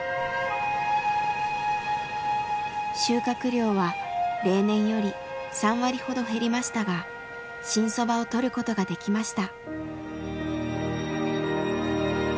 収穫量は例年より３割ほど減りましたが新そばをとることができました。